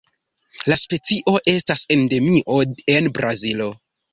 La specio estas endemio en Brazilo.